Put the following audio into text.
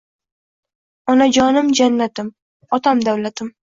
Onajonim jannatim Otam davlatim